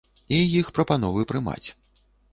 І іх прапановы прымаць.